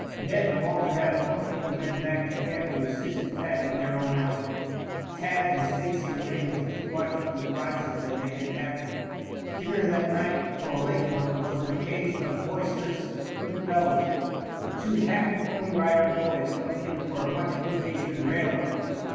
Ned and Walter had accompanied the men back to camp to assist in packing their own outfit, Tad and Stacy remaining to keep watch over the prizes that they had captured. Dinner that night, though a late one, was an occasion of boisterous good fellowship, the two happy Pony Rider Boys coming in for much good natured raillery.